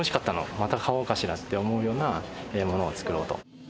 また買おうかしらって思うようなものを作ろうと。